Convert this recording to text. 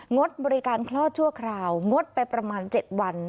ดบริการคลอดชั่วคราวงดไปประมาณ๗วัน